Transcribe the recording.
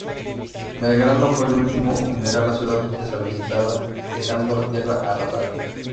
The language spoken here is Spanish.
Belgrano fue el último en dejar la ciudad deshabitada, dejando la tierra arrasada.